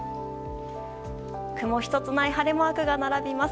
雲１つない晴れマークが並びます。